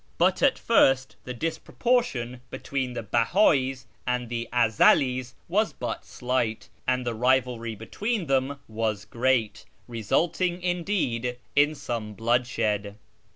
But at first the disproportion between the Beha'is and the Ezelis was but slight, and the rivalry between them was great, resulting, indeed, in some bloodshed.